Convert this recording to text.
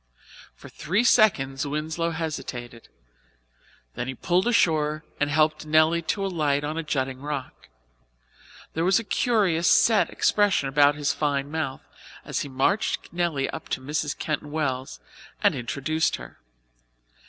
For three seconds Winslow hesitated. Then he pulled ashore and helped Nelly to alight on a jutting rock. There was a curious, set expression about his fine mouth as he marched Nelly up to Mrs. Keyton Wells and introduced her.